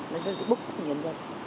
nó dư cái bức xúc của nhân dân